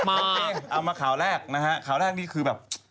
เอามาข่าวแรกนะฮะข่าวแรกนี่คือแบบ